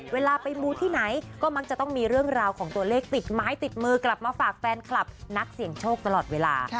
เวลาไปมูที่ไหนก็มักจะต้องมีเรื่องราวของตัวเลขติดไม้ติดมือกลับมาฝากแฟนคลับนักเสี่ยงโชคตลอดเวลา